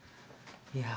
いや。